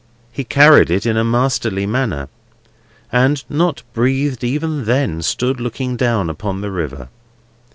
He carried it in a masterly manner, and, not breathed even then, stood looking down upon the river.